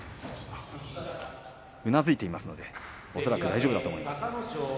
うなずいていますので恐らく大丈夫だと思います。